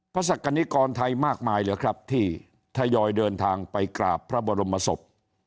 ศักดิกรไทยมากมายเลยครับที่ทยอยเดินทางไปกราบพระบรมศพ